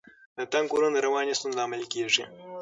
تنګ کورونه د رواني ستونزو لامل کیږي.